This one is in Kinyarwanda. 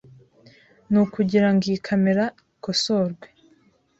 n kugirango iyi kamera ikosorwe .